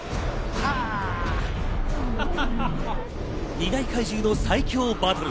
二大怪獣の最強バトル。